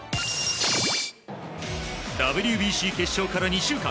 ＷＢＣ決勝から２週間。